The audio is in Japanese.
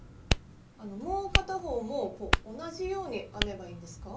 もう片方も同じように編めばいいんですか？